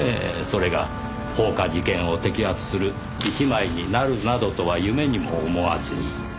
それが放火事件を摘発する一枚になるなどとは夢にも思わずに。